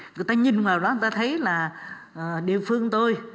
người ta nhìn vào đó người ta thấy là địa phương tôi